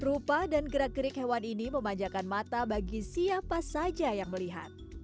rupa dan gerak gerik hewan ini memanjakan mata bagi siapa saja yang melihat